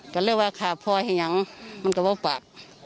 ก็เรียกว่าขาพ่อให้ยังมันกระเป้าปาก